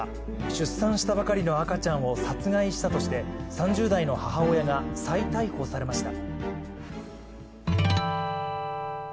出産したばかりの赤ちゃんを殺害したとして、３０代の母親が再逮捕されました。